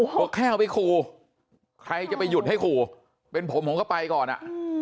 บอกแค่เอาไปขู่ใครจะไปหยุดให้ขู่เป็นผมผมก็ไปก่อนอ่ะ